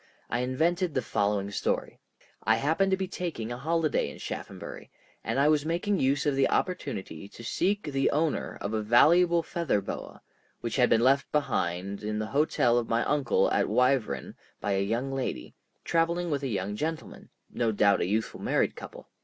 I invented the following story. I happened to be taking a holiday in Shaphambury, and I was making use of the opportunity to seek the owner of a valuable feather boa, which had been left behind in the hotel of my uncle at Wyvern by a young lady, traveling with a young gentleman—no doubt a youthful married couple.